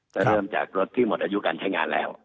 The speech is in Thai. จะเริ่มจากรถที่หมดอายุการใช้งานแล้ว